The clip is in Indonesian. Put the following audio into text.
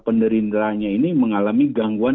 penderindaranya ini mengalami gangguan